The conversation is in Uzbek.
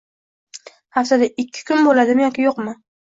haftada ikki kun boʻladimi yoki yoʻqmi